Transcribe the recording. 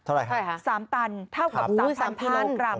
เท่าไหร่คะ๓ตันเท่ากับ๓๐๐๐พรันกรัม